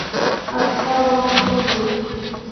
Aychawan aqtuqlun.